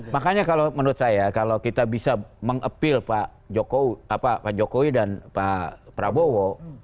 makanya kalau menurut saya kalau kita bisa meng appeal pak jokowi dan pak prabowo